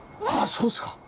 そうですか。